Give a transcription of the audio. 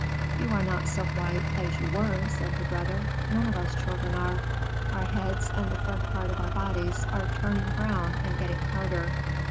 "You are not so white as you were," said her brother. "None of us children are. Our heads and the front part of our bodies are turning brown and getting harder."